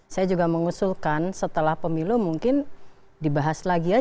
saya juga mengusulkan setelah pemilu mungkin dibahas lagi aja